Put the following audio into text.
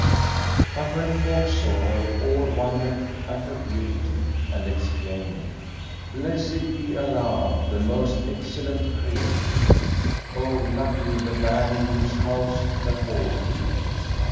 But when folk saw her, all wondered at her beauty and exclaimed, "Blessed be Allah, the most excellent Creator! O lucky the man in whose house the hall be!"